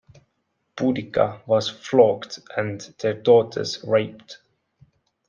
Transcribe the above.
Boudica was flogged and their daughters raped.